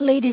Welcome to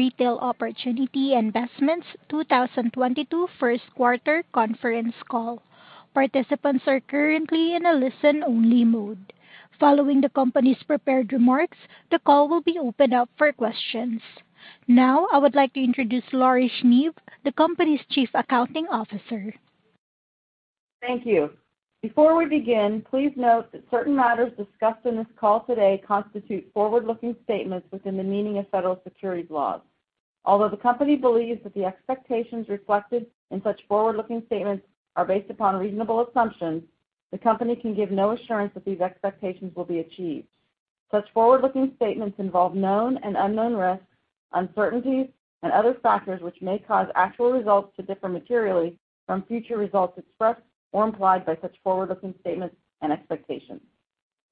Retail Opportunity Investments 2022 First Quarter Conference Call. Participants are currently in a listen-only mode. Following the company's prepared remarks, the call will be opened up for questions. Now, I would like to introduce Laurie Sneve, the company's Chief Accounting Officer. Thank you. Before we begin, please note that certain matters discussed in this call today constitute forward-looking statements within the meaning of federal securities laws. Although the company believes that the expectations reflected in such forward-looking statements are based upon reasonable assumptions, the company can give no assurance that these expectations will be achieved. Such forward-looking statements involve known and unknown risks, uncertainties, and other factors which may cause actual results to differ materially from future results expressed or implied by such forward-looking statements and expectations.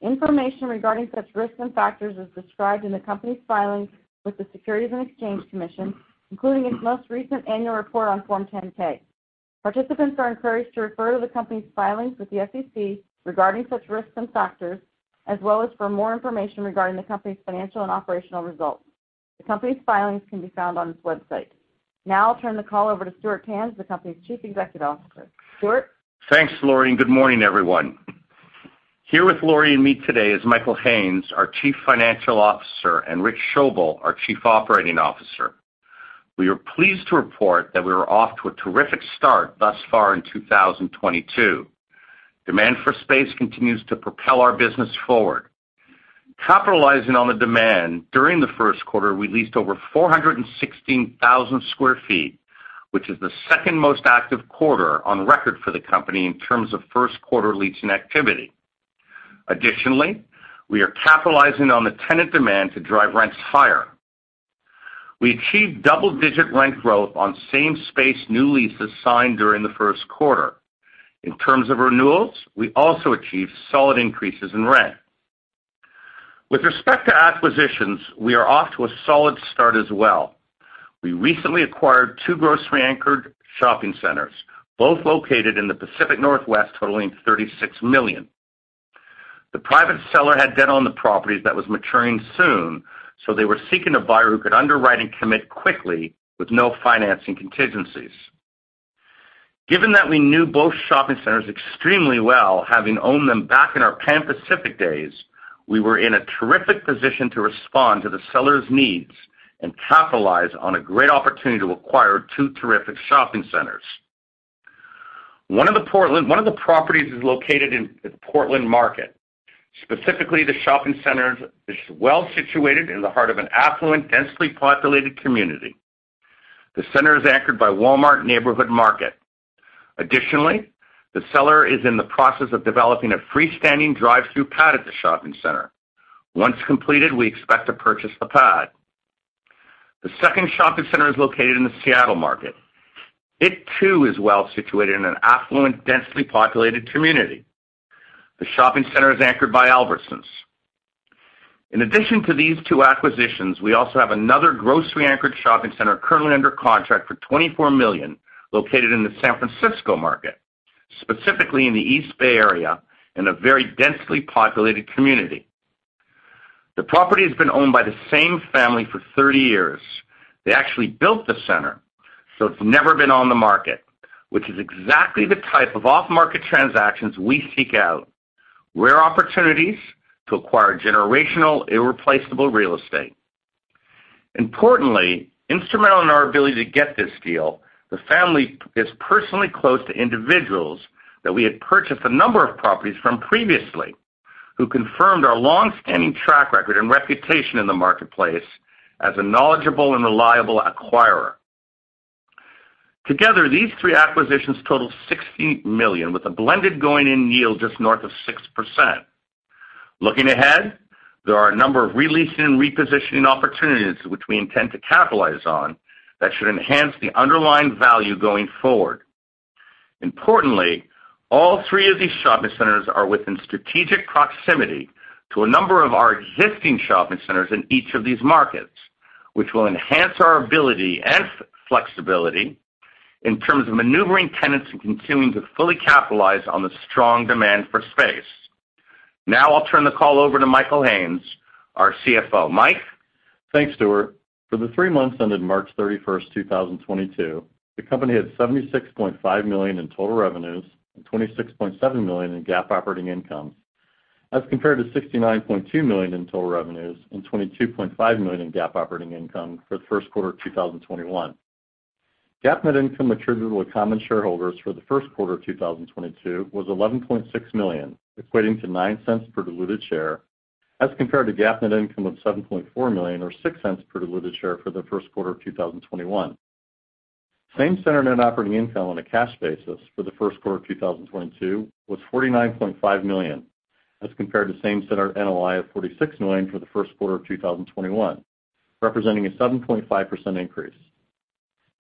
Information regarding such risks and factors as described in the company's filings with the Securities and Exchange Commission, including its most recent annual report on Form 10-K. Participants are encouraged to refer to the company's filings with the SEC regarding such risks and factors, as well as for more information regarding the company's financial and operational results. The company's filings can be found on its website. Now I'll turn the call over to Stuart Tanz, the company's Chief Executive Officer. Stuart? Thanks Laurie and good morning everyone. Here with Laurie and me today is Michael Haines, our Chief Financial Officer, and Rich Schoebel, our Chief Operating Officer. We are pleased to report that we are off to a terrific start thus far in 2022. Demand for space continues to propel our business forward. Capitalizing on the demand during the first quarter, we leased over 416,000 sq ft, which is the second most active quarter on record for the company in terms of first quarter leasing activity. Additionally, we are capitalizing on the tenant demand to drive rents higher. We achieved double-digit rent growth on same space new leases signed during the first quarter. In terms of renewals, we also achieved solid increases in rent. With respect to acquisitions, we are off to a solid start as well. We recently acquired two grocery-anchored shopping centers, both located in the Pacific Northwest, totaling $36 million. The private seller had debt on the properties that was maturing soon, so they were seeking a buyer who could underwrite and commit quickly with no financing contingencies. Given that we knew both shopping centers extremely well, having owned them back in our Pan Pacific days, we were in a terrific position to respond to the seller's needs and capitalize on a great opportunity to acquire two terrific shopping centers. One of the properties is located in the Portland market. Specifically, the shopping center is well-situated in the heart of an affluent, densely populated community. The center is anchored by Walmart Neighborhood Market. Additionally, the seller is in the process of developing a freestanding drive-through pad at the shopping center. Once completed, we expect to purchase the pad. The second shopping center is located in the Seattle market. It, too, is well situated in an affluent, densely populated community. The shopping center is anchored by Albertsons. In addition to these two acquisitions, we also have another grocery anchored shopping center currently under contract for $24 million, located in the San Francisco market, specifically in the East Bay area, in a very densely populated community. The property has been owned by the same family for 30 years. They actually built the center, so it's never been on the market, which is exactly the type of off-market transactions we seek out, rare opportunities to acquire generational, irreplaceable real estate. Importantly, instrumental in our ability to get this deal, the family is personally close to individuals that we had purchased a number of properties from previously, who confirmed our long-standing track record and reputation in the marketplace as a knowledgeable and reliable acquirer. Together, these three acquisitions total $16 million, with a blended going-in yield just north of 6%. Looking ahead, there are a number of re-leasing and repositioning opportunities which we intend to capitalize on that should enhance the underlying value going forward. Importantly, all three of these shopping centers are within strategic proximity to a number of our existing shopping centers in each of these markets, which will enhance our ability and flexibility in terms of maneuvering tenants and continuing to fully capitalize on the strong demand for space. Now I'll turn the call over to Michael Haines, our CFO. Mike. Thanks, Stuart. For the three months ended March 31st, 2022, the company had $76.5 million in total revenues and $26.7 million in GAAP operating income, as compared to $69.2 million in total revenues and $22.5 million in GAAP operating income for the first quarter of 2021. GAAP net income attributable to common shareholders for the first quarter of 2022 was $11.6 million, equating to $0.09 per diluted share, as compared to GAAP net income of $7.4 million or $0.06 per diluted share for the first quarter of 2021. Same-center net operating income on a cash basis for the first quarter of 2022 was $49.5 million, as compared to same-center NOI of $46 million for the first quarter of 2021, representing a 7.5% increase.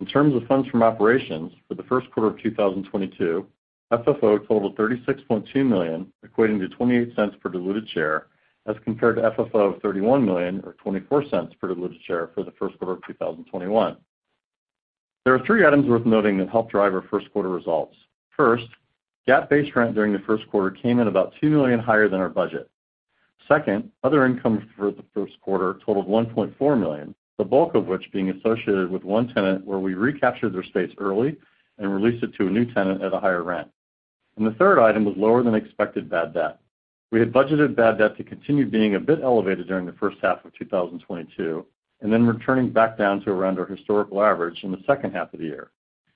In terms of funds from operations, for the first quarter of 2022, FFO totaled $36.2 million, equating to $0.28 per diluted share, as compared to FFO of $31 million or $0.24 per diluted share for the first quarter of 2021. There are three items worth noting that helped drive our first quarter results. First, GAAP base rent during the first quarter came in about $2 million higher than our budget. Second, other income for the first quarter totaled $1.4 million, the bulk of which being associated with one tenant where we recaptured their space early and released it to a new tenant at a higher rent. The third item was lower than expected bad debt. We had budgeted bad debt to continue being a bit elevated during the H1 of 2022, and then returning back down to around our historical average in the H2 of the year.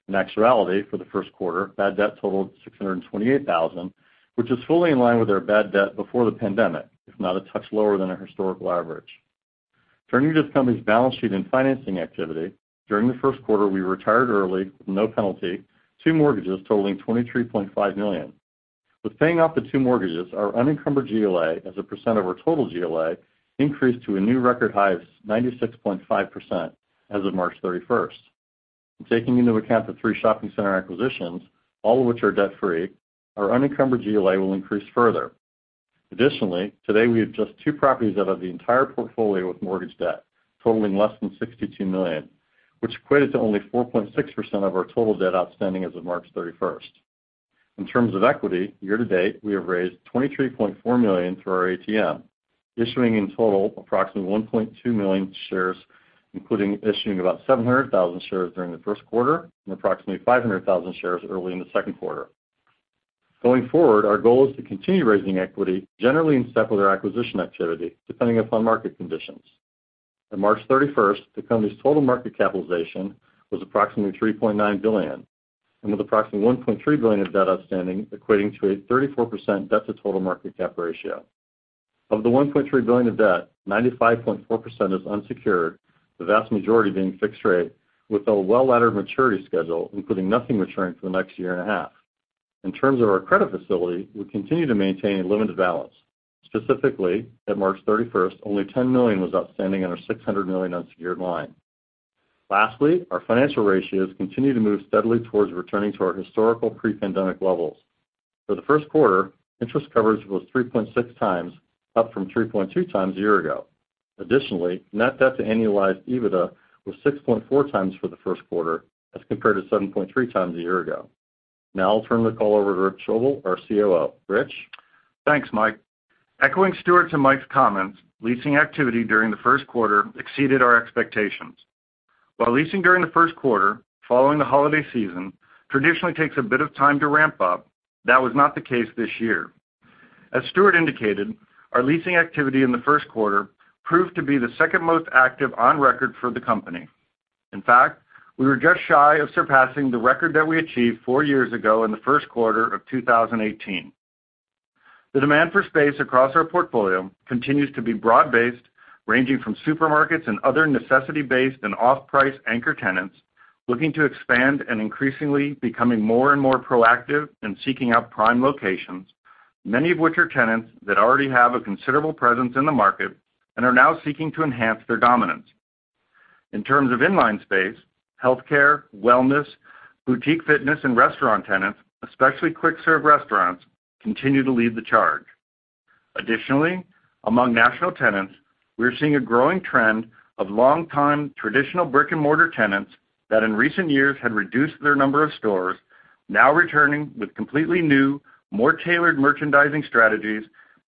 In actuality, for the first quarter, bad debt totaled $628,000, which is fully in line with our bad debt before the pandemic, if not a touch lower than our historical average. Turning to the company's balance sheet and financing activity, during the first quarter, we retired early with no penalty, two mortgages totaling $23.5 million. With paying off the two mortgages, our unencumbered GLA as a percent of our total GLA increased to a new record high of 96.5% as of March 31st. Taking into account the three shopping center acquisitions, all of which are debt-free, our unencumbered GLA will increase further. Additionally, today we have just two properties out of the entire portfolio with mortgage debt totaling less than $62 million, which equated to only 4.6% of our total debt outstanding as of March 31st. In terms of equity, year to date, we have raised $23.4 million through our ATM, issuing in total approximately 1.2 million shares, including issuing about 700,000 shares during the first quarter and approximately 500,000 shares early in the second quarter. Going forward, our goal is to continue raising equity generally in step with our acquisition activity, depending upon market conditions. On March 31st, the company's total market capitalization was approximately $3.9 billion, and with approximately $1.3 billion of debt outstanding, equating to a 34% debt to total market cap ratio. Of the $1.3 billion of debt, 95.4% is unsecured, the vast majority being fixed rate, with a well-laddered maturity schedule, including nothing maturing for the next year and a half. In terms of our credit facility, we continue to maintain a limited balance. Specifically, at March 31st, only $10 million was outstanding on our $600 million unsecured line. Lastly, our financial ratios continue to move steadily towards returning to our historical pre-pandemic levels. For the first quarter, interest coverage was 3.6x, up from 3.2x a year ago. Additionally, net debt to annualized EBITDA was 6.4x for the first quarter as compared to 7.3x a year ago. Now I'll turn the call over to Rich Schoebel, our COO. Rich. Thanks, Mike. Echoing Stuart and Mike's comments, leasing activity during the first quarter exceeded our expectations. While leasing during the first quarter following the holiday season traditionally takes a bit of time to ramp up, that was not the case this year. As Stuart indicated, our leasing activity in the first quarter proved to be the second most active on record for the company. In fact, we were just shy of surpassing the record that we achieved four years ago in the first quarter of 2018. The demand for space across our portfolio continues to be broad-based, ranging from supermarkets and other necessity-based and off-price anchor tenants looking to expand and increasingly becoming more and more proactive in seeking out prime locations Many of which are tenants that already have a considerable presence in the market and are now seeking to enhance their dominance. In terms of inline space, healthcare, wellness, boutique fitness and restaurant tenants, especially quick serve restaurants, continue to lead the charge. Additionally, among national tenants, we are seeing a growing trend of long-time traditional brick-and-mortar tenants that in recent years had reduced their number of stores now returning with completely new, more tailored merchandising strategies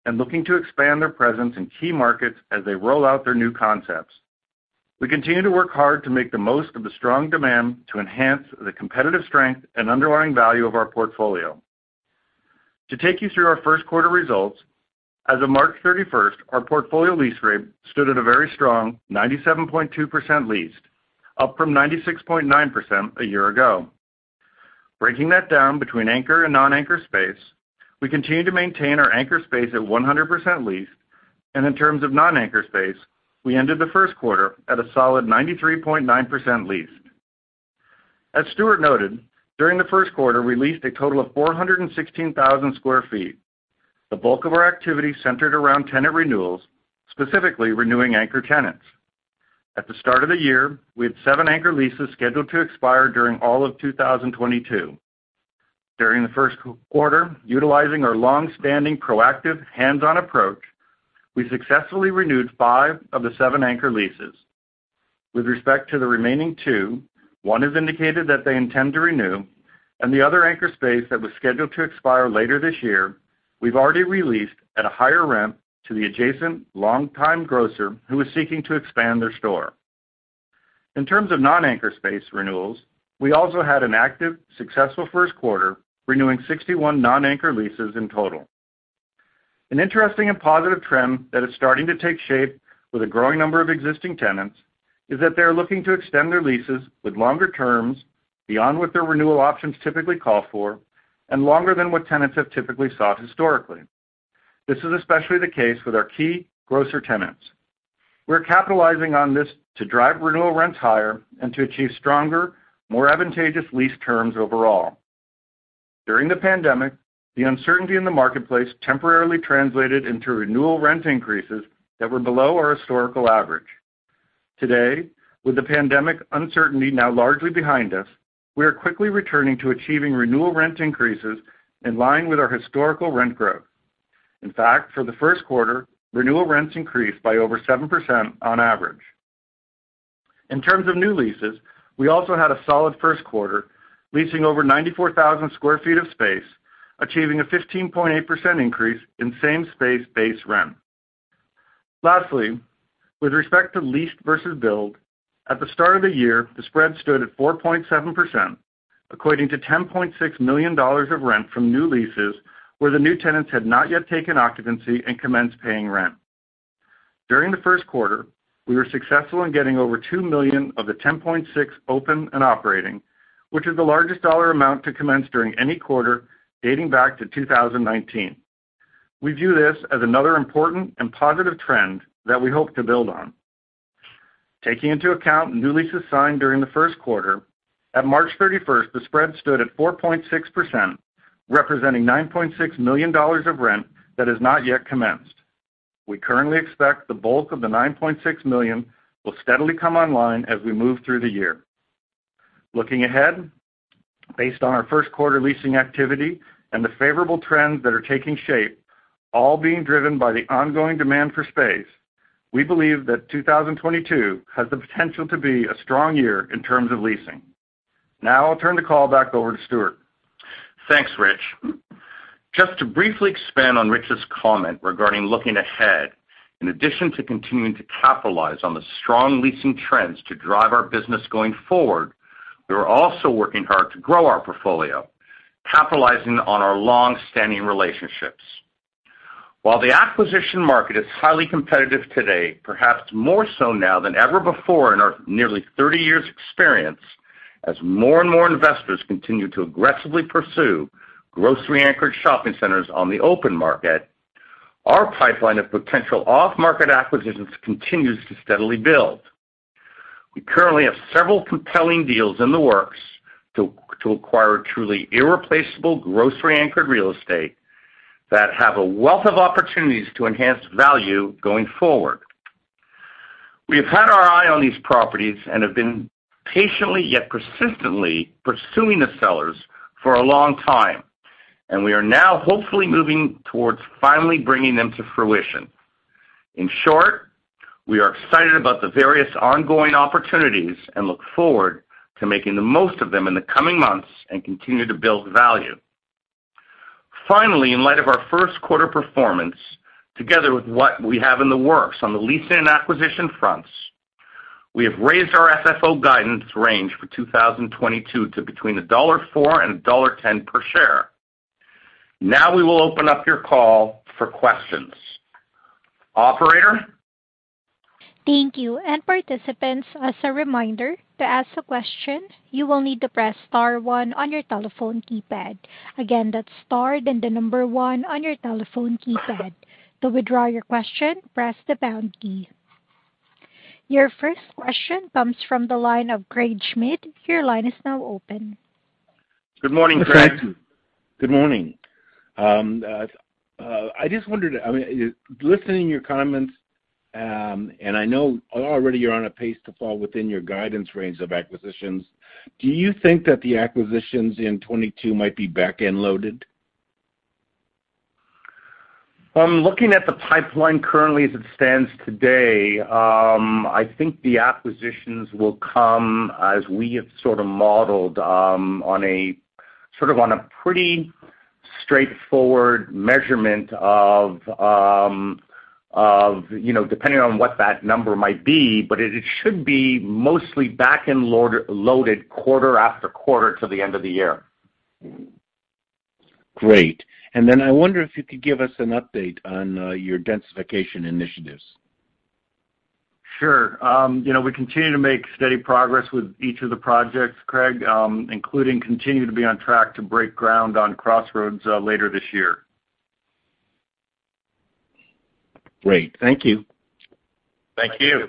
and looking to expand their presence in key markets as they roll out their new concepts. We continue to work hard to make the most of the strong demand to enhance the competitive strength and underlying value of our portfolio. To take you through our first quarter results, as of March 31st, our portfolio lease rate stood at a very strong 97.2% leased, up from 96.9% a year ago. Breaking that down between anchor and non-anchor space, we continue to maintain our anchor space at 100% leased. In terms of non-anchor space, we ended the first quarter at a solid 93.9% leased. As Stuart noted, during the first quarter, we leased a total of 416,000 sq ft. The bulk of our activity centered around tenant renewals, specifically renewing anchor tenants. At the start of the year, we had seven anchor leases scheduled to expire during all of 2022. During the first quarter, utilizing our long-standing proactive hands-on approach, we successfully renewed five of the seven anchor leases. With respect to the remaining two, one has indicated that they intend to renew, and the other anchor space that was scheduled to expire later this year, we've already re-leased at a higher rent to the adjacent long-time grocer who is seeking to expand their store. In terms of non-anchor space renewals, we also had an active, successful first quarter, renewing 61 non-anchor leases in total. An interesting and positive trend that is starting to take shape with a growing number of existing tenants is that they are looking to extend their leases with longer terms beyond what their renewal options typically call for and longer than what tenants have typically sought historically. This is especially the case with our key grocer tenants. We're capitalizing on this to drive renewal rents higher and to achieve stronger, more advantageous lease terms overall. During the pandemic, the uncertainty in the marketplace temporarily translated into renewal rent increases that were below our historical average. Today, with the pandemic uncertainty now largely behind us, we are quickly returning to achieving renewal rent increases in line with our historical rent growth. In fact, for the first quarter, renewal rents increased by over 7% on average. In terms of new leases, we also had a solid first quarter, leasing over 94,000 sq ft of space, achieving a 15.8% increase in same space base rent. Lastly, with respect to leased versus billed, at the start of the year, the spread stood at 4.7%, equating to $10.6 million of rent from new leases where the new tenants had not yet taken occupancy and commenced paying rent. During the first quarter, we were successful in getting over $2 million of the $10.6 million open and operating, which is the largest dollar amount to commence during any quarter dating back to 2019. We view this as another important and positive trend that we hope to build on. Taking into account new leases signed during the first quarter, at March 31st, the spread stood at 4.6%, representing $9.6 million of rent that has not yet commenced. We currently expect the bulk of the $9.6 million will steadily come online as we move through the year. Looking ahead, based on our first quarter leasing activity and the favorable trends that are taking shape, all being driven by the ongoing demand for space, we believe that 2022 has the potential to be a strong year in terms of leasing. Now I'll turn the call back over to Stuart. Thanks, Rich. Just to briefly expand on Rich's comment regarding looking ahead, in addition to continuing to capitalize on the strong leasing trends to drive our business going forward, we are also working hard to grow our portfolio, capitalizing on our long-standing relationships. While the acquisition market is highly competitive today, perhaps more so now than ever before in our nearly 30 years experience, as more and more investors continue to aggressively pursue grocery-anchored shopping centers on the open market, our pipeline of potential off-market acquisitions continues to steadily build. We currently have several compelling deals in the works to acquire truly irreplaceable grocery-anchored real estate that have a wealth of opportunities to enhance value going forward. We have had our eye on these properties and have been patiently yet persistently pursuing the sellers for a long time, and we are now hopefully moving towards finally bringing them to fruition. In short, we are excited about the various ongoing opportunities and look forward to making the most of them in the coming months and continue to build value. Finally, in light of our first quarter performance, together with what we have in the works on the leasing and acquisition fronts, we have raised our FFO guidance range for 2022 to between $1.04 and $1.10 per share. Now we will open up your call for questions. Operator? Thank you. And participants, as a reminder, to ask a question, you will need to press star one on your telephone keypad. Again, that's star, then the number one on your telephone keypad. To withdraw your question, press the pound key. Your first question comes from the line of Craig Schmidt. Your line is now open. Good morning, Craig. Good morning. I just wondered, I mean, listening to your comments, and I know already you're on a pace to fall within your guidance range of acquisitions, do you think that the acquisitions in 2022 might be back-end loaded? Looking at the pipeline currently as it stands today, I think the acquisitions will come as we have sort of modeled, on a sort of pretty straightforward measurement of, you know, depending on what that number might be, but it should be mostly back-end load-loaded quarter after quarter to the end of the year. Great. I wonder if you could give us an update on your densification initiatives? Sure. You know, we continue to make steady progress with each of the projects, Craig, including continue to be on track to break ground on Crossroads later this year. Great. Thank you. Thank you.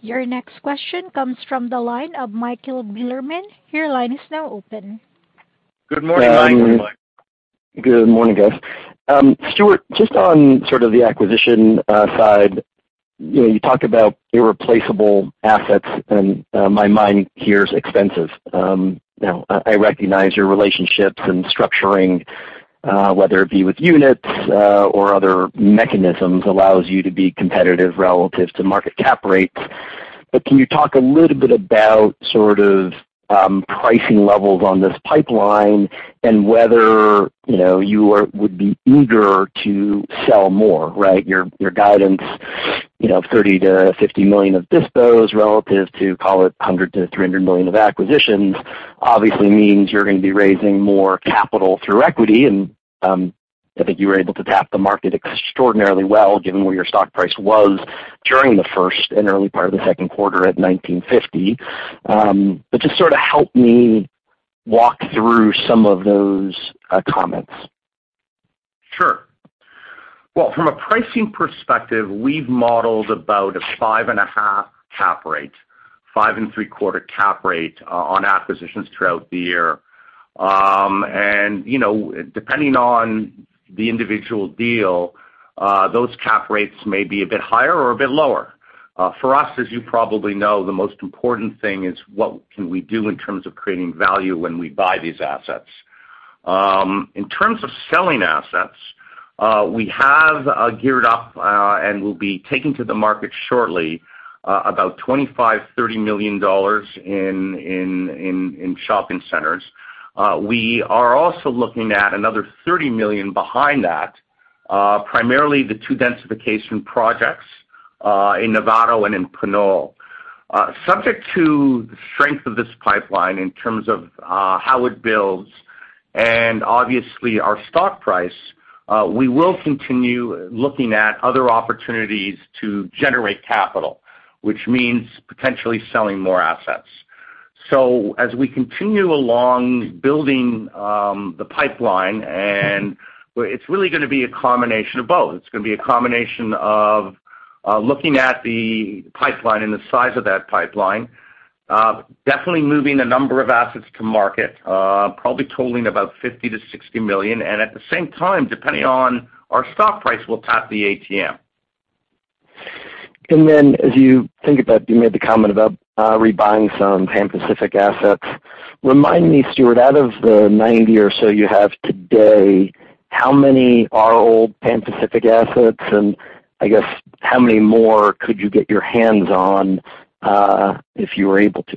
Your next question comes from the line of Michael Mueller. Your line is now open. Good morning, Mike. Good morning, guys. Stuart, just on sort of the acquisition side, you know, you talk about irreplaceable assets, and my mind hears expensive. Now, I recognize your relationships and structuring, whether it be with units or other mechanisms, allows you to be competitive relative to market cap rates. Can you talk a little bit about sort of pricing levels on this pipeline and whether, you know, you would be eager to sell more, right? Your guidance, you know, of $30 million-$50 million of dispos relative to, call it, $100 million-$300 million of acquisitions obviously means you're gonna be raising more capital through equity. I think you were able to tap the market extraordinarily well, given where your stock price was during the first and early part of the second quarter at $19.50. Just sort of help me walk through some of those comments. Sure. Well, from a pricing perspective, we've modeled about a 5.5 cap rate, 5.75 cap rate on acquisitions throughout the year. You know, depending on the individual deal, those cap rates may be a bit higher or a bit lower. For us, as you probably know, the most important thing is what can we do in terms of creating value when we buy these assets. In terms of selling assets, we have geared up, and we'll be taking to the market shortly about $25-$30 million in shopping centers. We are also looking at another $30 million behind that, primarily the two densification projects in Novato and in Pinole. Subject to the strength of this pipeline in terms of how it builds and obviously our stock price, we will continue looking at other opportunities to generate capital, which means potentially selling more assets. As we continue along building the pipeline, and it's really gonna be a combination of both. It's gonna be a combination of looking at the pipeline and the size of that pipeline, definitely moving a number of assets to market, probably totaling about $50 million-$60 million, and at the same time, depending on our stock price, we'll tap the ATM. Then as you think about, you made the comment about rebuying some Pan Pacific assets. Remind me, Stuart, out of the 90 or so you have today, how many are old Pan Pacific assets? I guess how many more could you get your hands on, if you were able to?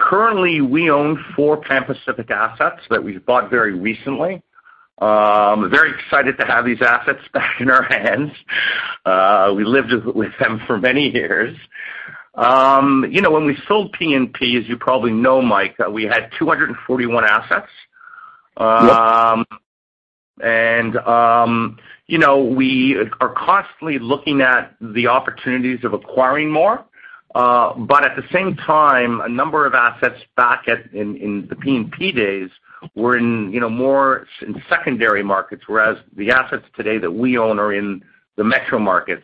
Currently, we own four Pan Pacific assets that we've bought very recently. Very excited to have these assets back in our hands. We lived with them for many years. You know, when we sold P&P, as you probably know, Mike, we had 241 assets. You know, we are constantly looking at the opportunities of acquiring more. But at the same time, a number of assets back in the P&P days were in, you know, more in secondary markets, whereas the assets today that we own are in the metro market.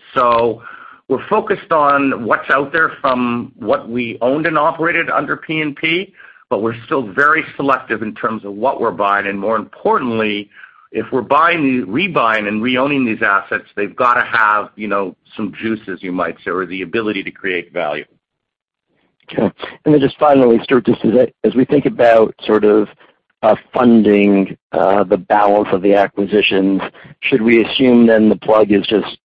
We're focused on what's out there from what we owned and operated under P&P, but we're still very selective in terms of what we're buying. More importantly, if we're buying, rebuying, and re-owning these assets, they've got to have, you know, some juices, you might say, or the ability to create value. Okay. Then just finally, Stuart, just as we think about sort of, funding, the balance of the acquisitions, should we assume then the plug is just,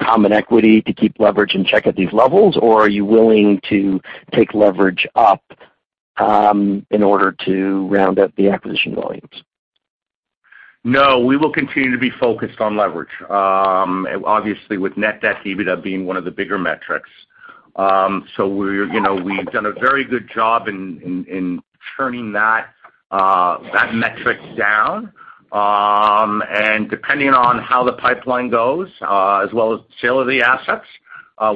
common equity to keep leverage in check at these levels? Or are you willing to take leverage up, in order to round out the acquisition volumes? No, we will continue to be focused on leverage. Obviously, with net debt-EBITDA being one of the bigger metrics. We're, you know, we've done a very good job in churning that metric down. Depending on how the pipeline goes, as well as the sale of the assets,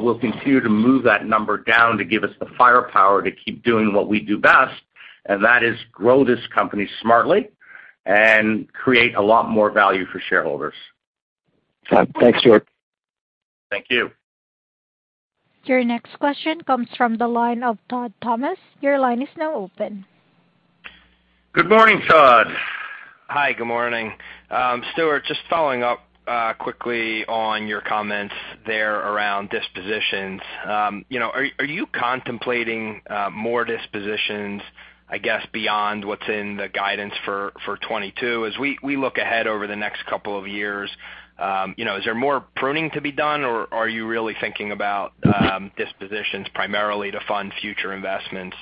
we'll continue to move that number down to give us the firepower to keep doing what we do best, and that is grow this company smartly. Create a lot more value for shareholders. Thanks, Stuart. Thank you. Your next question comes from the line of Todd Thomas. Your line is now open. Good morning, Todd. Hi, good morning. Stuart, just following up quickly on your comments there around dispositions. You know, are you contemplating more dispositions, I guess, beyond what's in the guidance for 2022? As we look ahead over the next couple of years, you know, is there more pruning to be done, or are you really thinking about dispositions primarily to fund future investments,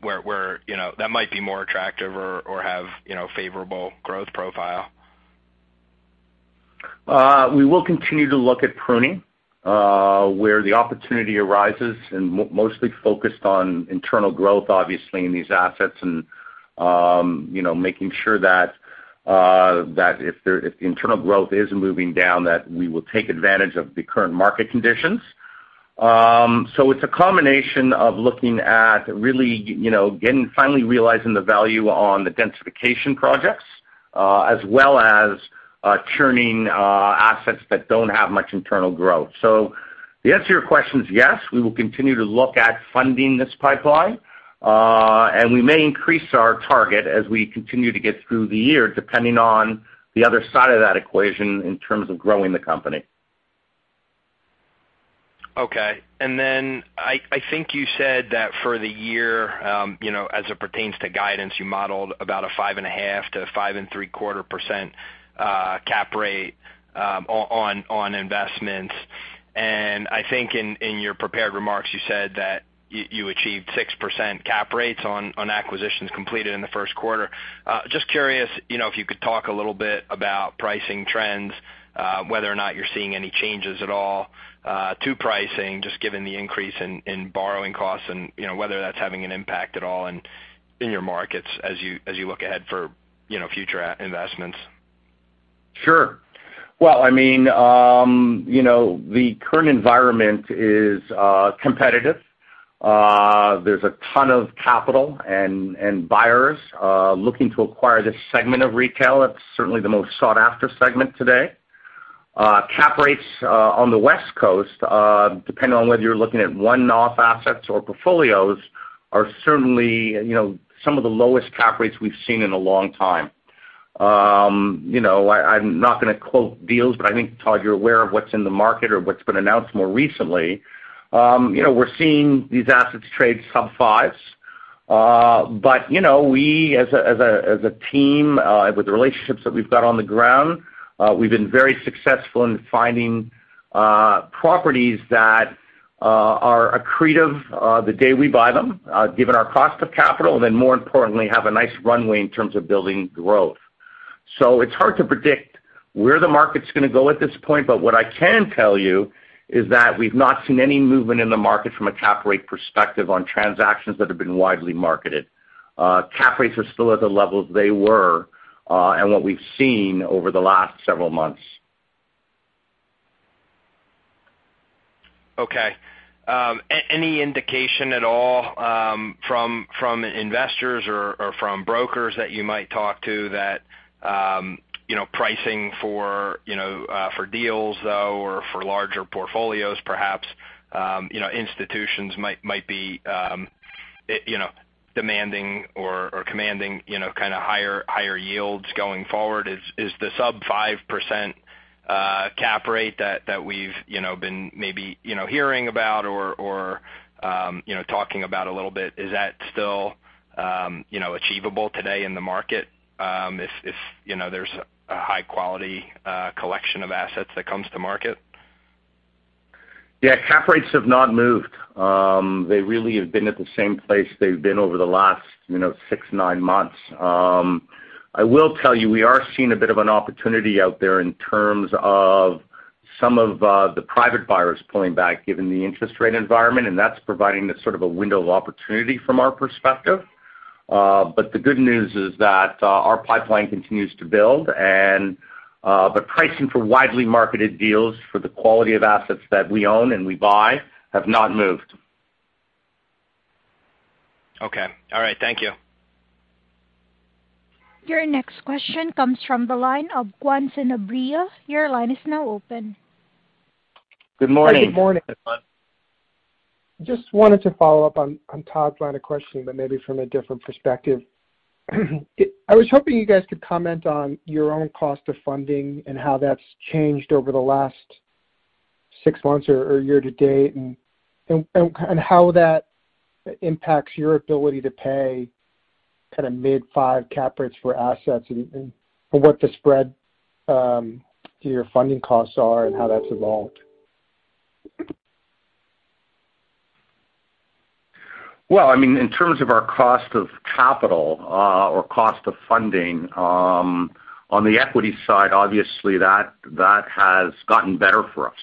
where you know, that might be more attractive or have you know, favorable growth profile? We will continue to look at pruning, where the opportunity arises and mostly focused on internal growth, obviously, in these assets and, you know, making sure that if internal growth is moving down, that we will take advantage of the current market conditions. It's a combination of looking at really, you know, finally realizing the value on the densification projects, as well as, churning, assets that don't have much internal growth. The answer to your question is yes, we will continue to look at funding this pipeline. We may increase our target as we continue to get through the year, depending on the other side of that equation in terms of growing the company. Okay. I think you said that for the year, you know, as it pertains to guidance, you modeled about a 5.5%-5.75% cap rate on investments. I think in your prepared remarks, you said that you achieved 6% cap rates on acquisitions completed in the first quarter. Just curious, you know, if you could talk a little bit about pricing trends, whether or not you're seeing any changes at all to pricing, just given the increase in borrowing costs and, you know, whether that's having an impact at all in your markets as you look ahead for, you know, future investments. Sure. Well, I mean, you know, the current environment is competitive. There's a ton of capital and buyers looking to acquire this segment of retail. It's certainly the most sought-after segment today. Cap rates on the West Coast, depending on whether you're looking at one-off assets or portfolios, are certainly, you know, some of the lowest cap rates we've seen in a long time. You know, I'm not gonna quote deals, but I think, Todd, you're aware of what's in the market or what's been announced more recently. You know, we're seeing these assets trade sub fives. You know, we as a team, with the relationships that we've got on the ground, we've been very successful in finding properties that are accretive the day we buy them, given our cost of capital, then more importantly, have a nice runway in terms of building growth. It's hard to predict where the market's gonna go at this point, but what I can tell you is that we've not seen any movement in the market from a cap rate perspective on transactions that have been widely marketed. Cap rates are still at the levels they were, and what we've seen over the last several months. Okay. Any indication at all from investors or from brokers that you might talk to that you know pricing for you know for deals though or for larger portfolios perhaps you know institutions might be you know demanding or commanding you know kinda higher yields going forward? Is the sub 5% cap rate that we've you know been maybe you know hearing about or you know talking about a little bit, is that still you know achievable today in the market if you know there's a high quality collection of assets that comes to market? Yeah, cap rates have not moved. They really have been at the same place they've been over the last, you know, six, nine months. I will tell you, we are seeing a bit of an opportunity out there in terms of some of the private buyers pulling back given the interest rate environment, and that's providing a sort of a window of opportunity from our perspective. The good news is that our pipeline continues to build, and pricing for widely marketed deals for the quality of assets that we own and we buy have not moved. Okay. All right. Thank you. Your next question comes from the line of Juan Sanabria. Your line is now open. Good morning. Good morning. Just wanted to follow up on Todd's line of questioning, but maybe from a different perspective. I was hoping you guys could comment on your own cost of funding and how that's changed over the last six months or year to date, and kind of how that impacts your ability to pay kinda mid five cap rates for assets and what the spread to your funding costs are and how that's evolved. Well, I mean, in terms of our cost of capital, or cost of funding, on the equity side, obviously that has gotten better for us.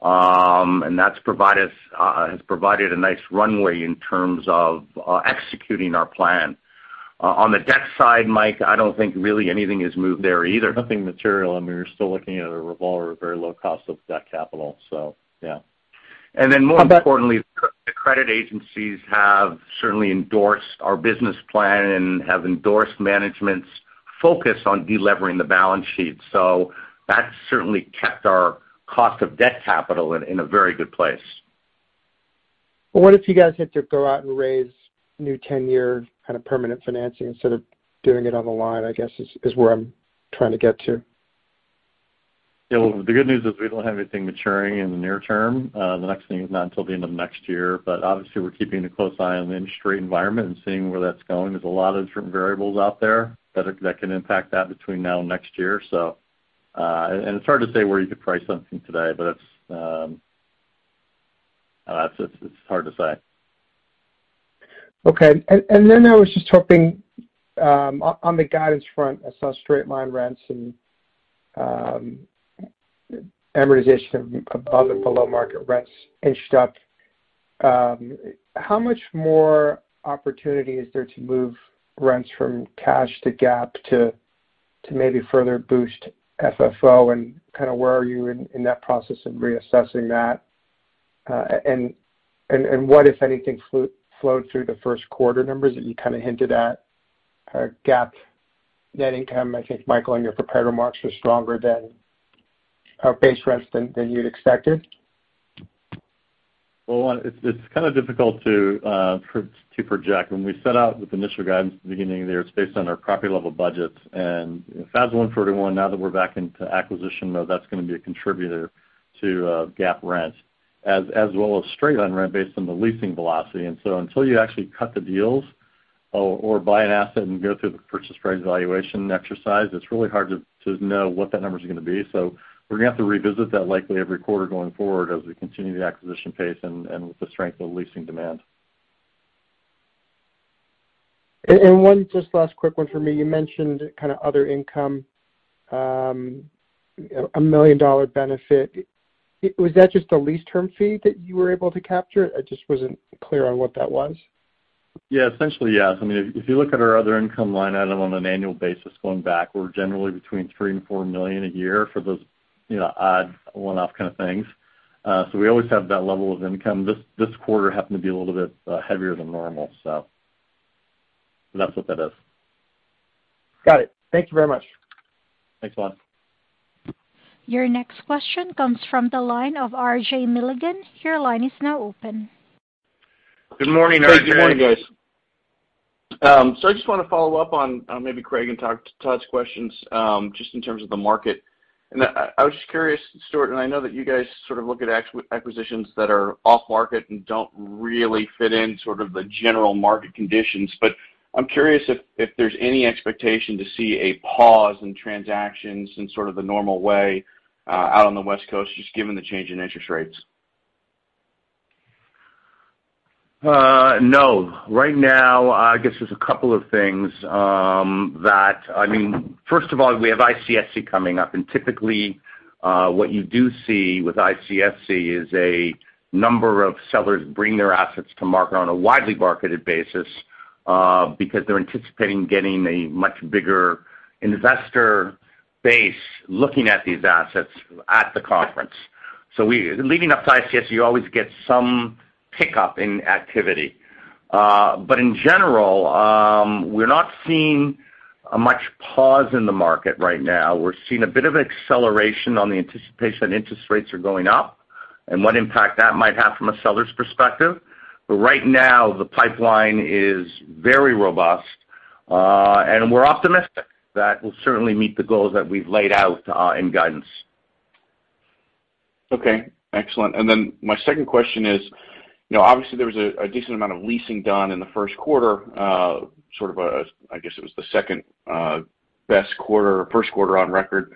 That has provided a nice runway in terms of executing our plan. On the debt side, Mike, I don't think really anything has moved there either. Nothing material. I mean, we're still looking at a revolver, very low cost of debt capital. Yeah. More importantly, the credit agencies have certainly endorsed our business plan and have endorsed management's focus on delevering the balance sheet. That's certainly kept our cost of debt capital in a very good place. Well, what if you guys had to go out and raise new 10-year kind of permanent financing instead of doing it on the line, I guess, is where I'm trying to get to. Yeah. Well, the good news is we don't have anything maturing in the near term. The next thing is not until the end of next year, but obviously, we're keeping a close eye on the industry environment and seeing where that's going. There's a lot of different variables out there that can impact that between now and next year. It's hard to say where you could price something today, but it's hard to say. Then I was just hoping on the guidance front, I saw straight-line rents and amortization of above and below market rents inched up. How much more opportunity is there to move rents from cash to GAAP to maybe further boost FFO? And kind of where are you in that process of reassessing that? What if anything flowed through the first quarter numbers that you kind of hinted at? GAAP net income, I think Michael, in your prepared remarks were stronger than base rents than you'd expected. Well, one, it's kind of difficult to project. When we set out with initial guidance at the beginning of the year, it's based on our property level budgets. FAS 141, now that we're back into acquisition mode, that's gonna be a contributor to GAAP rent, as well as straight-line rent based on the leasing velocity. Until you actually cut the deals or buy an asset and go through the purchase price valuation exercise, it's really hard to know what that number's gonna be. We're gonna have to revisit that likely every quarter going forward as we continue the acquisition pace and with the strength of leasing demand. One just last quick one for me. You mentioned kind of other income, a $1 million benefit. Was that just a lease termination fee that you were able to capture? I just wasn't clear on what that was. Yeah. Essentially, yes. I mean, if you look at our other income line item on an annual basis going back, we're generally between $3 million-$4 million a year for those, you know, odd one-off kind of things. We always have that level of income. This quarter happened to be a little bit heavier than normal. That's what that is. Got it. Thank you very much. Thanks a lot. Your next question comes from the line of RJ Milligan. Your line is now open. Good morning, RJ. Hey. Good morning, guys. I just wanna follow up on maybe Craig and Todd's questions just in terms of the market. I was just curious, Stuart, and I know that you guys sort of look at acquisitions that are off market and don't really fit in sort of the general market conditions, but I'm curious if there's any expectation to see a pause in transactions in sort of the normal way out on the West Coast, just given the change in interest rates. No. Right now, I guess there's a couple of things. I mean, first of all, we have ICSC coming up, and typically, what you do see with ICSC is a number of sellers bring their assets to market on a widely marketed basis, because they're anticipating getting a much bigger investor base looking at these assets at the conference. Leading up to ICSC, you always get some pickup in activity. In general, we're not seeing much of a pause in the market right now. We're seeing a bit of acceleration on the anticipation that interest rates are going up and what impact that might have from a seller's perspective. Right now, the pipeline is very robust, and we're optimistic that we'll certainly meet the goals that we've laid out in guidance. Okay. Excellent. My second question is, you know, obviously there was a decent amount of leasing done in the first quarter, sort of, I guess it was the second best quarter or first quarter on record.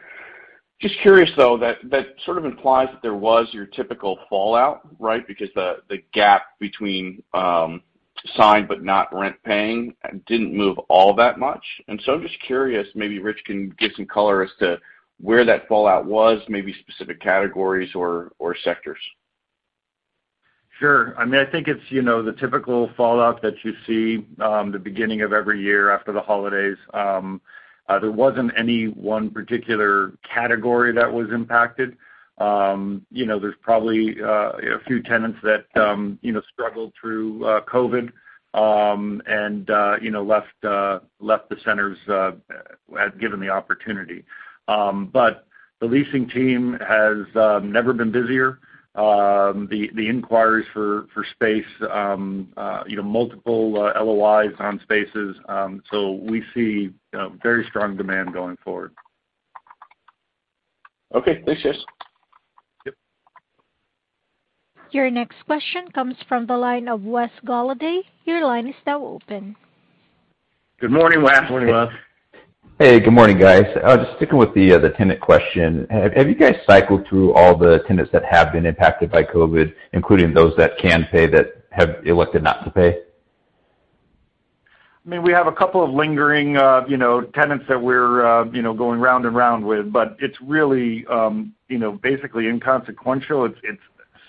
Just curious though, that sort of implies that there was your typical fallout, right? Because the gap between signed but not rent paying didn't move all that much. I'm just curious, maybe Rich can give some color as to where that fallout was, maybe specific categories or sectors. Sure. I mean, I think it's, you know, the typical fallout that you see the beginning of every year after the holidays. There wasn't any one particular category that was impacted. You know, there's probably a few tenants that, you know, struggled through COVID and, you know, left the centers given the opportunity. The leasing team has never been busier. The inquiries for space, you know, multiple LOIs on spaces. We see very strong demand going forward. Okay. Thanks, guys. Yep. Your next question comes from the line of Wes Golladay. Your line is now open. Good morning, Wes. Morning, Wes. Hey. Good morning, guys. Just sticking with the tenant question. Have you guys cycled through all the tenants that have been impacted by COVID, including those that can pay that have elected not to pay? I mean, we have a couple of lingering, you know, tenants that we're, you know, going round and round with, but it's really, you know, basically inconsequential. It's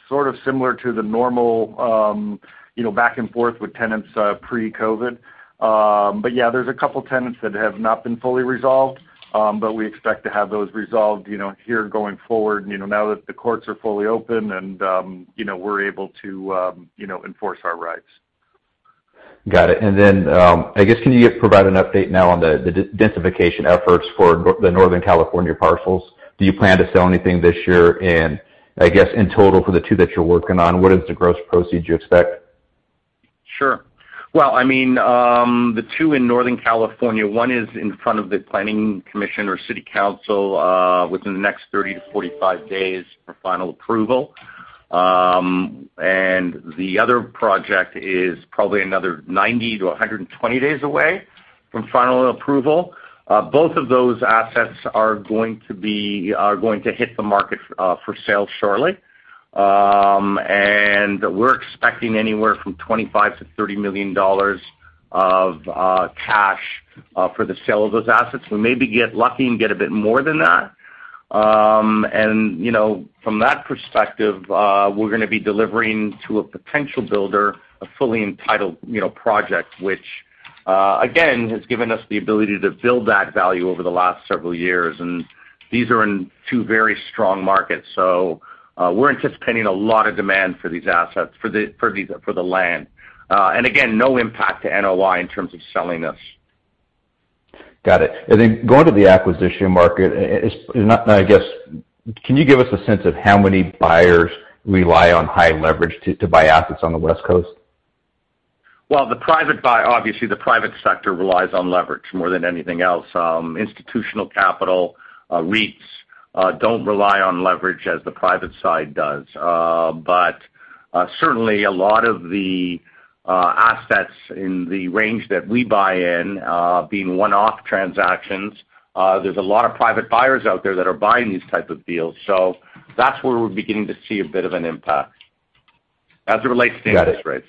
sort of similar to the normal, you know, back and forth with tenants, pre-COVID. Yeah, there's a couple tenants that have not been fully resolved, but we expect to have those resolved, you know, here going forward, you know, now that the courts are fully open and, you know, we're able to, you know, enforce our rights. Got it. I guess, can you provide an update now on the densification efforts for the Northern California parcels? Do you plan to sell anything this year? I guess in total for the two that you're working on, what is the gross proceeds you expect? Sure. Well, I mean, the two in Northern California, one is in front of the planning commission or city council within the next 30-45 days for final approval. The other project is probably another 90-120 days away from final approval. Both of those assets are going to hit the market for sale shortly. We're expecting anywhere from $25 million-$30 million of cash for the sale of those assets. We maybe get lucky and get a bit more than that. From that perspective, we're gonna be delivering to a potential builder a fully entitled project, which again has given us the ability to build that value over the last several years. These are in two very strong markets. We're anticipating a lot of demand for these assets for the land. Again, no impact to NOI in terms of selling this. Got it. Going to the acquisition market, and I guess, can you give us a sense of how many buyers rely on high leverage to buy assets on the West Coast? Well, the private buy, obviously, the private sector relies on leverage more than anything else. Institutional capital, REITs don't rely on leverage as the private side does. Certainly a lot of the assets in the range that we buy in, being one-off transactions, there's a lot of private buyers out there that are buying these type of deals. That's where we're beginning to see a bit of an impact as it relates to interest rates.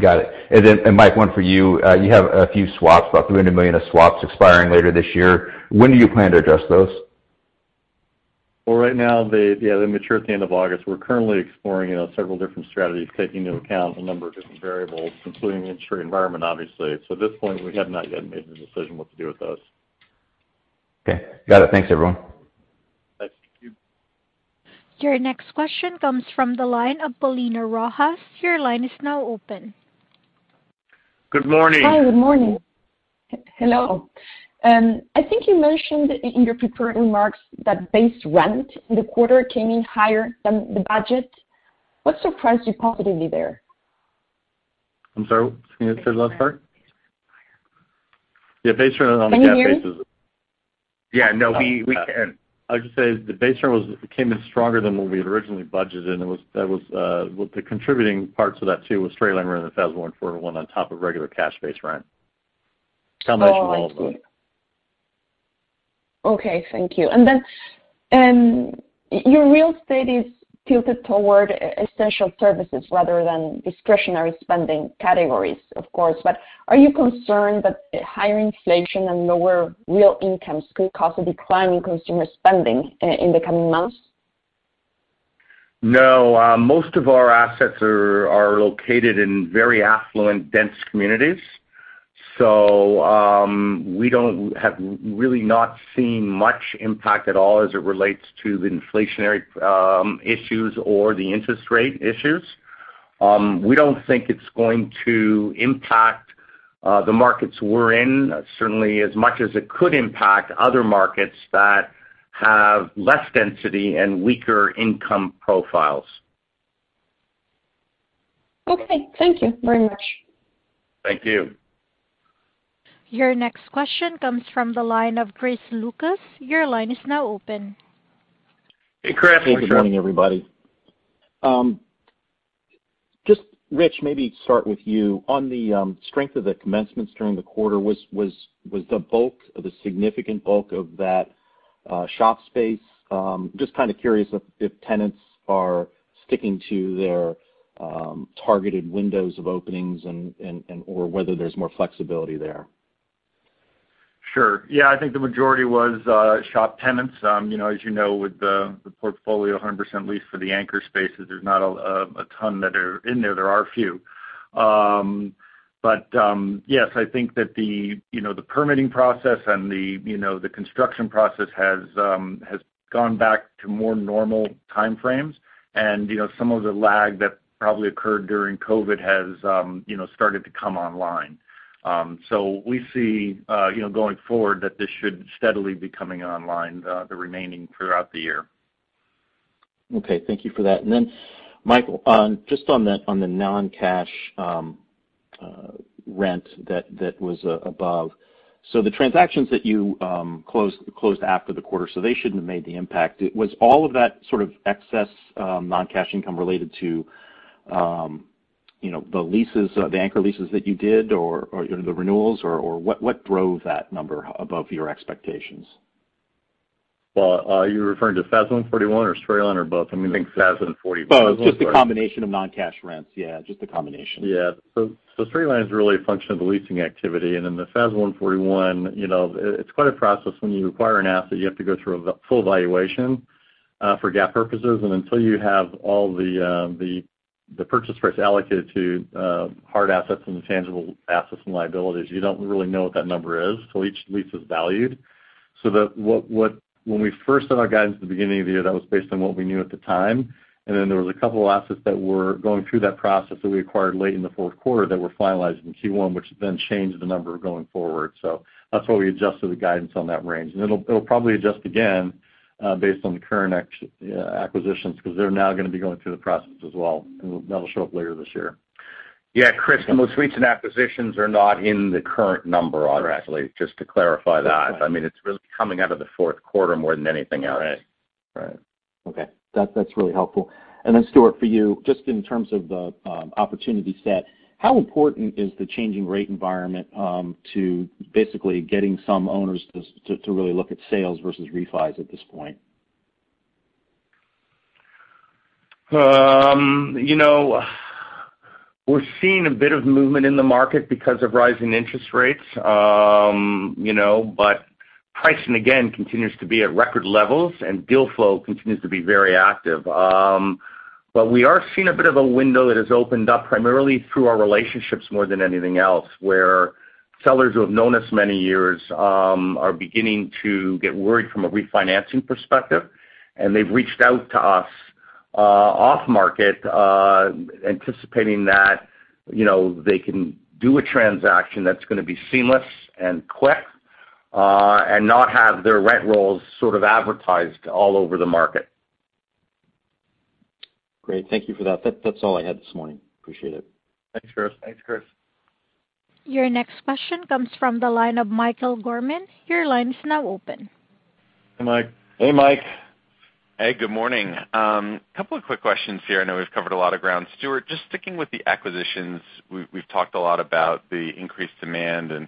Got it. Mike, one for you. You have a few swaps, about $300 million of swaps expiring later this year. When do you plan to address those? Well, right now, they, yeah, they mature at the end of August. We're currently exploring, you know, several different strategies, taking into account a number of different variables, including the interest rate environment, obviously. At this point, we have not yet made the decision what to do with those. Okay. Got it. Thanks, everyone. Thanks. Your next question comes from the line of Paulina Rojas. Your line is now open. Good morning. Hi, good morning. Hello. I think you mentioned in your prepared remarks that base rent in the quarter came in higher than the budget. What surprised you positively there? I'm sorry. Can you say the last part? Yeah. Base rent on the GAAP basis is. Can you hear me? Yeah, no, we can. I was gonna say, the base rent came in stronger than what we had originally budgeted, and well, the contributing parts of that too was straight-line rent and FAS 141 on top of regular cash base rent. Combination of all of those. Oh, I see. Okay, thank you. Your real estate is tilted toward essential services rather than discretionary spending categories, of course. Are you concerned that higher inflation and lower real incomes could cause a decline in consumer spending in the coming months? No, most of our assets are located in very affluent, dense communities. We haven't really seen much impact at all as it relates to the inflationary issues or the interest rate issues. We don't think it's going to impact the markets we're in, certainly as much as it could impact other markets that have less density and weaker income profiles. Okay. Thank you very much. Thank you. Your next question comes from the line of Chris Lucas. Your line is now open. Hey, Chris. Good morning, everybody. Just Rich, maybe start with you. On the strength of the commencements during the quarter, was the bulk or the significant bulk of that shop space? Just kind of curious if tenants are sticking to their targeted windows of openings and/or whether there's more flexibility there. Sure. Yeah. I think the majority was shop tenants. You know, as you know, with the portfolio 100% leased for the anchor spaces, there's not a ton that are in there. There are a few. Yes, I think that you know, the permitting process and you know, the construction process has gone back to more normal time frames. You know, some of the lag that probably occurred during COVID has you know, started to come online. We see you know, going forward that this should steadily be coming online, the remaining throughout the year. Okay. Thank you for that. Michael, on the non-cash rent that was above. The transactions that you closed after the quarter, so they shouldn't have made the impact. Was all of that sort of excess non-cash income related to you know the leases the anchor leases that you did or you know the renewals? Or what drove that number above your expectations? Well, are you referring to FAS 141 or straight-line or both? I mean I think FAS 141. Oh. Just the combination of non-cash rents. Yeah, just the combination. Yeah. Straight-line is really a function of the leasing activity. In the FAS 141, you know, it's quite a process. When you acquire an asset, you have to go through a full valuation for GAAP purposes. Until you have all the purchase price allocated to hard assets and tangible assets and liabilities, you don't really know what that number is till each lease is valued. So that's what, when we first set our guidance at the beginning of the year, that was based on what we knew at the time. Then there was a couple of assets that were going through that process that we acquired late in the fourth quarter that were finalized in Q1, which then changed the number going forward. That's why we adjusted the guidance on that range. It'll probably adjust again based on the current acquisitions, because they're now gonna be going through the process as well, that'll show up later this year. Yeah, Chris, the most recent acquisitions are not in the current number. Correct. Obviously, just to clarify that. Correct. I mean, it's really coming out of the fourth quarter more than anything else. Right. Right. Okay. That's really helpful. Stuart, for you, just in terms of the opportunity set, how important is the changing rate environment to basically getting some owners to really look at sales versus refis at this point? You know, we're seeing a bit of movement in the market because of rising interest rates. You know, pricing again continues to be at record levels, and deal flow continues to be very active. We are seeing a bit of a window that has opened up primarily through our relationships more than anything else, where sellers who have known us many years are beginning to get worried from a refinancing perspective. They've reached out to us, off market, anticipating that, you know, they can do a transaction that's gonna be seamless and quick, and not have their rent rolls sort of advertised all over the market. Great. Thank you for that. That's all I had this morning. Appreciate it. Thanks, Chris. Thanks, Chris. Your next question comes from the line of Michael Gorman. Your line is now open. Hi, Mike. Hey, Mike. Hey, good morning. Couple of quick questions here. I know we've covered a lot of ground. Stuart, just sticking with the acquisitions, we've talked a lot about the increased demand and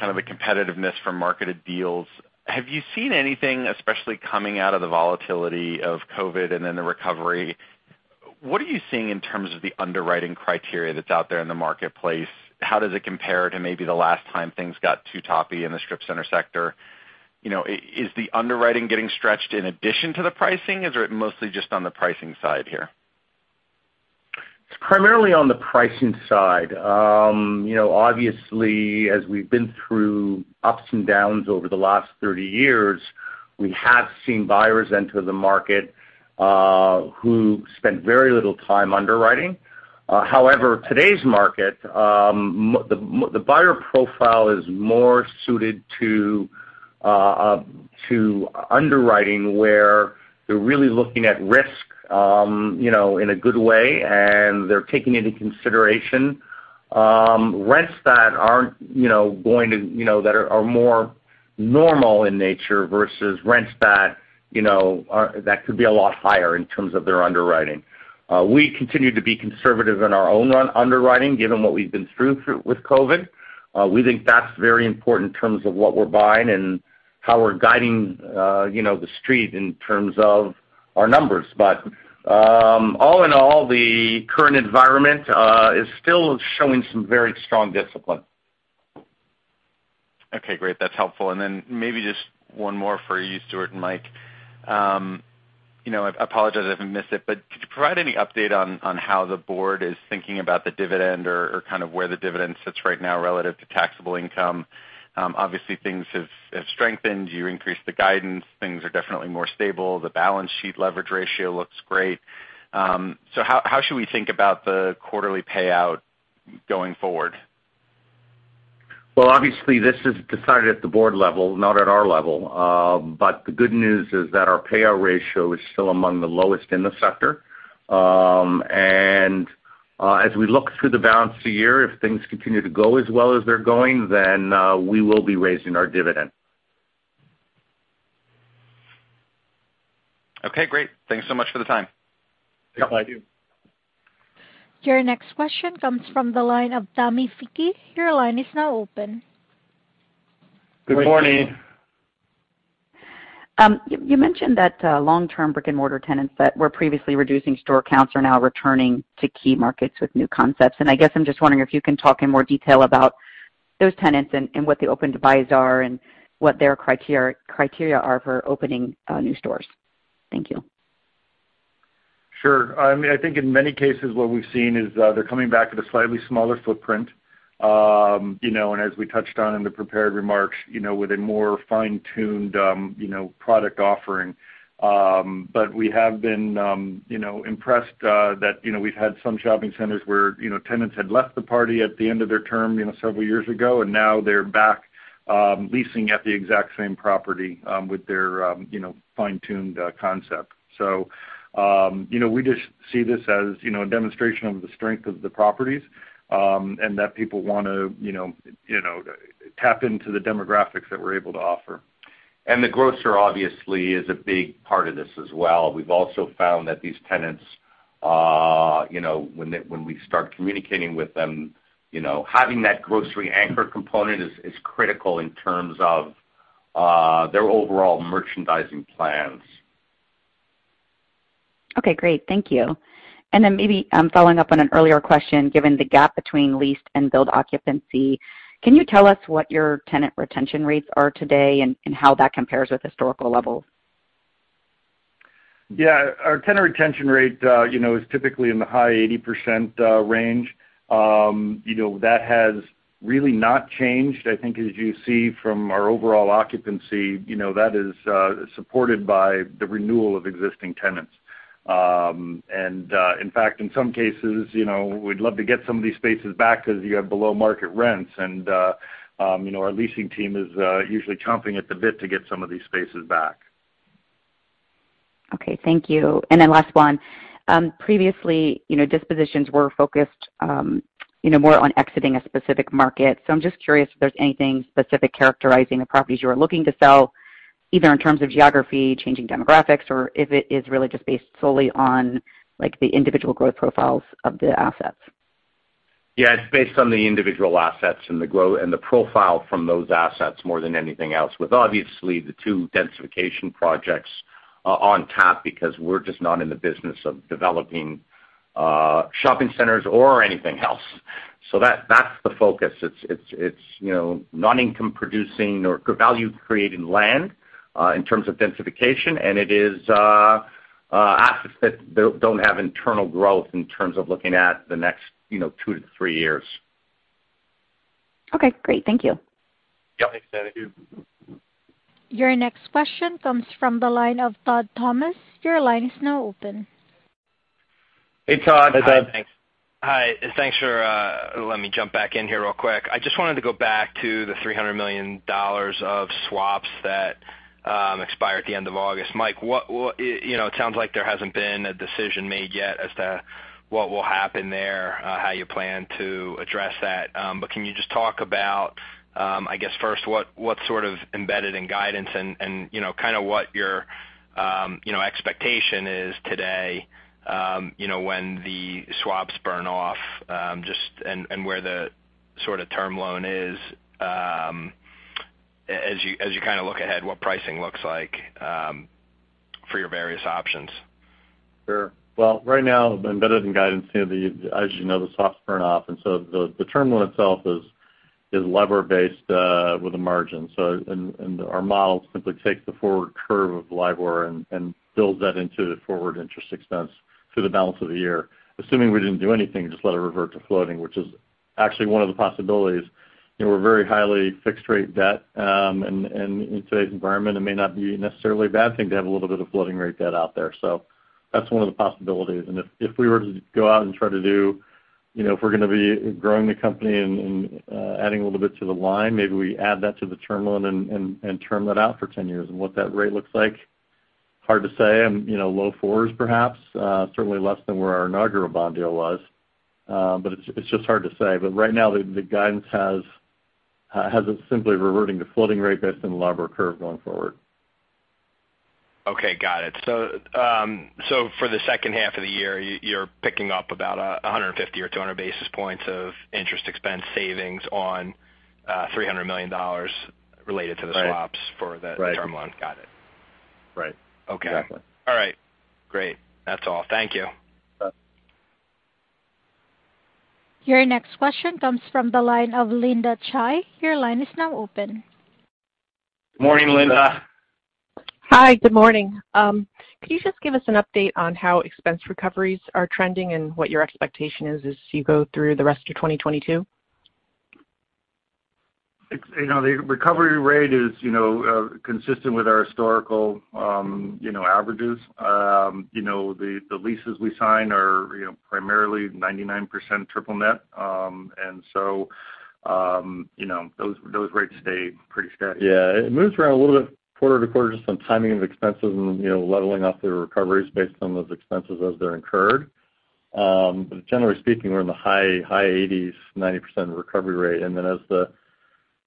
kind of the competitiveness for marketed deals. Have you seen anything, especially coming out of the volatility of COVID and then the recovery, what are you seeing in terms of the underwriting criteria that's out there in the marketplace? How does it compare to maybe the last time things got too toppy in the strip center sector? You know, is the underwriting getting stretched in addition to the pricing, or is it mostly just on the pricing side here? It's primarily on the pricing side. You know, obviously, as we've been through ups and downs over the last 30 years, we have seen buyers enter the market, who spent very little time underwriting. However, today's market, the buyer profile is more suited to underwriting, where they're really looking at risk, you know, in a good way, and they're taking into consideration, rents that aren't, you know, going to, you know, that are more normal in nature versus rents that, you know, that could be a lot higher in terms of their underwriting. We continue to be conservative in our own underwriting given what we've been through with COVID. We think that's very important in terms of what we're buying and how we're guiding, you know, the street in terms of our numbers. All in all, the current environment is still showing some very strong discipline. Okay, great. That's helpful. Then maybe just one more for you, Stuart and Mike. You know, I apologize if I missed it, but could you provide any update on how the board is thinking about the dividend or kind of where the dividend sits right now relative to taxable income? Obviously things have strengthened. You increased the guidance. Things are definitely more stable. The balance sheet leverage ratio looks great. So how should we think about the quarterly payout going forward? Well, obviously this is decided at the board level, not at our level. The good news is that our payout ratio is still among the lowest in the sector. As we look through the balance of the year, if things continue to go as well as they're going, then we will be raising our dividend. Okay, great. Thanks so much for the time. Thank you. Thank you. Your next question comes from the line of Tammi Fique. Your line is now open. Good morning. Good morning. You mentioned that long-term brick-and-mortar tenants that were previously reducing store counts are now returning to key markets with new concepts. I guess I'm just wondering if you can talk in more detail about those tenants and what the open divides are and what their criteria are for opening new stores. Thank you. Sure. I mean, I think in many cases what we've seen is, they're coming back with a slightly smaller footprint. You know, and as we touched on in the prepared remarks, you know, with a more fine-tuned, you know, product offering. But we have been, you know, impressed, that, you know, we've had some shopping centers where, you know, tenants had left the party at the end of their term, you know, several years ago, and now they're back, leasing at the exact same property, with their, you know, fine-tuned, concept. So, you know, we just see this as, you know, a demonstration of the strength of the properties, and that people wanna, you know, you know, tap into the demographics that we're able to offer. The grocer obviously is a big part of this as well. We've also found that these tenants, you know, when we start communicating with them, you know, having that grocery anchor component is critical in terms of their overall merchandising plans. Okay, great. Thank you. Maybe, following up on an earlier question, given the gap between leased and billed occupancy, can you tell us what your tenant retention rates are today and how that compares with historical levels? Yeah. Our tenant retention rate, you know, is typically in the high 80% range. You know, that has really not changed. I think as you see from our overall occupancy, you know, that is supported by the renewal of existing tenants. In fact, in some cases, you know, we'd love to get some of these spaces back because you have below-market rents and, you know, our leasing team is usually chomping at the bit to get some of these spaces back. Okay, thank you. Last one. Previously, you know, dispositions were focused, you know, more on exiting a specific market. I'm just curious if there's anything specific characterizing the properties you are looking to sell, either in terms of geography, changing demographics, or if it is really just based solely on, like, the individual growth profiles of the assets. Yeah. It's based on the individual assets and the profile from those assets more than anything else, with obviously the two densification projects on top because we're just not in the business of developing shopping centers or anything else. That's the focus. It's you know, non-income producing or value-creating land in terms of densification, and it is assets that don't have internal growth in terms of looking at the next you know, two to three years. Okay, great. Thank you. Yep. Thanks, Tammi Fique. Your next question comes from the line of Todd Thomas. Your line is now open. Hey, Todd. Hey, Todd. Hi. Thanks for letting me jump back in here real quick. I just wanted to go back to the $300 million of swaps that expire at the end of August. Mike, what. You know, it sounds like there hasn't been a decision made yet as to what will happen there, how you plan to address that. But can you just talk about, I guess, first, what sort of embedded in guidance and, you know, kind of what your expectation is today, you know, when the swaps burn off, just and where the sort of term loan is, as you kind of look ahead, what pricing looks like, for your various options? Sure. Well, right now, embedded in guidance, you know, as you know, the swaps burn off, and so the term loan itself is LIBOR-based with a margin. Our models simply take the forward curve of the LIBOR and build that into the forward interest expense through the balance of the year. Assuming we didn't do anything, just let it revert to floating, which is actually one of the possibilities. You know, we have very highly fixed-rate debt, and in today's environment, it may not be necessarily a bad thing to have a little bit of floating-rate debt out there. That's one of the possibilities. If we were to go out and try to do, you know, if we're gonna be growing the company and adding a little bit to the line, maybe we add that to the term loan and term that out for 10 years. What that rate looks like, hard to say. Low fours perhaps, certainly less than where our inaugural bond deal was. It's just hard to say. Right now the guidance has it simply reverting to floating rate based on the LIBOR curve going forward. Okay, got it. For the H2 of the year, you're picking up about 150 or 200 basis points of interest expense savings on $300 million related to the swaps. Right. for the term loan. Right. Got it. Right. Okay. Exactly. All right. Great. That's all. Thank you. Bye. Your next question comes from the line of Linda Tsai. Your line is now open. Morning, Linda. Hi. Good morning. Can you just give us an update on how expense recoveries are trending and what your expectation is as you go through the rest of 2022? You know, the recovery rate is, you know, consistent with our historical, you know, averages. You know, the leases we sign are, you know, primarily 99% triple net. You know, those rates stay pretty steady. Yeah. It moves around a little bit quarter-to-quarter just on timing of expenses and, you know, leveling off the recoveries based on those expenses as they're incurred. Generally speaking, we're in the high 80s, 90% recovery rate.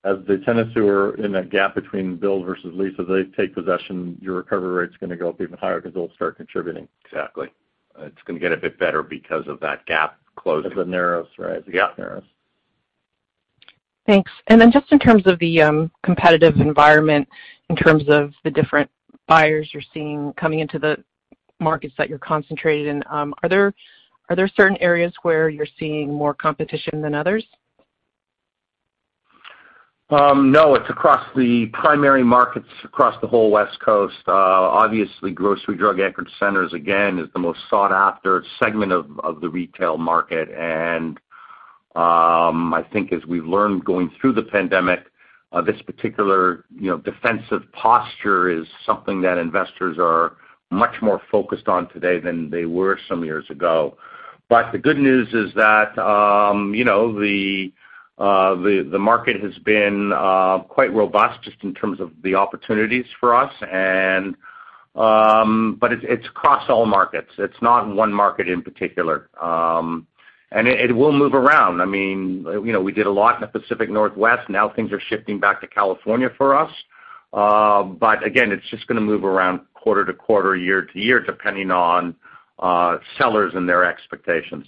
As the tenants who are in that gap between bill versus lease, as they take possession, your recovery rate is gonna go up even higher because they'll start contributing. Exactly. It's gonna get a bit better because of that gap closing. As it narrows, right? Yeah. As it narrows. Thanks. Just in terms of the competitive environment, in terms of the different buyers you're seeing coming into the markets that you're concentrated in, are there certain areas where you're seeing more competition than others? No. It's across the primary markets across the whole West Coast. Obviously, grocery-anchored centers, again, is the most sought-after segment of the retail market. I think as we've learned going through the pandemic, this particular, you know, defensive posture is something that investors are much more focused on today than they were some years ago. The good news is that, you know, the market has been quite robust just in terms of the opportunities for us. It's across all markets. It's not one market in particular. It will move around. I mean, you know, we did a lot in the Pacific Northwest. Now things are shifting back to California for us. Again, it's just gonna move around quarter to quarter, year to year, depending on sellers and their expectations.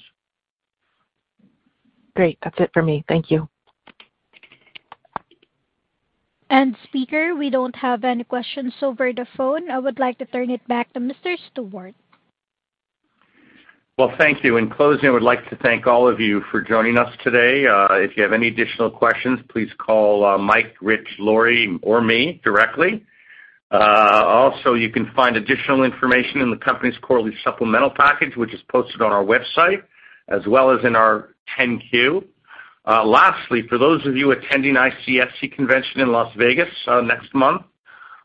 Great. That's it for me. Thank you. Speaker, we don't have any questions over the phone. I would like to turn it back to Mr. Stuart. Well, thank you. In closing, I would like to thank all of you for joining us today. If you have any additional questions, please call Mike, Rich, Lori, or me directly. Also, you can find additional information in the company's quarterly supplemental package, which is posted on our website, as well as in our 10-Q. Lastly, for those of you attending ICSC convention in Las Vegas next month,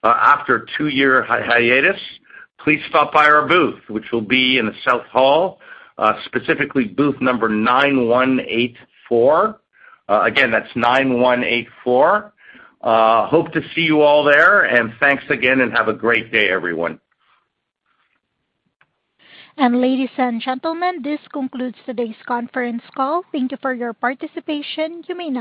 after a two-year hiatus, please stop by our booth, which will be in the South Hall, specifically booth number 9184. Again, that's 9184. Hope to see you all there. Thanks again, and have a great day, everyone. Ladies and gentlemen, this concludes today's conference call. Thank you for your participation. You may now disconnect.